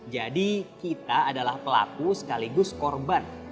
jadi kita adalah pelaku sekaligus korban